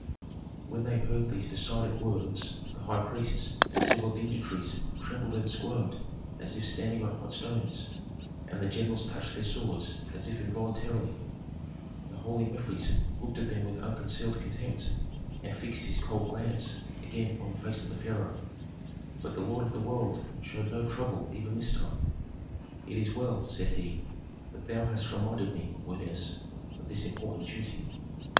When they heard these decided words, the high priests and civil dignitaries trembled and squirmed as if standing on hot stones, and the generals touched their swords as if involuntarily. The holy Mefres looked at them with unconcealed contempt, and fixed his cold glance again on the face of the pharaoh. But the lord of the world showed no trouble even this time. "It is well," said he, "that thou hast reminded me, worthiness, of this important duty.